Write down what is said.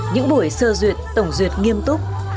những buổi sơ duyệt tổng duyệt nghiêm túc